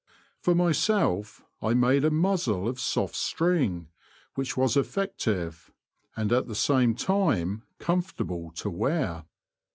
For myself I made a muzzle of soft string which was effective, and at the same time com fortable to wear.